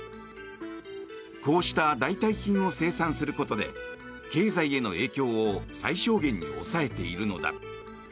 こうした代替品を生産することで経済への影響を最小限に抑えているのだ。